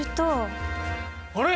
あれ！？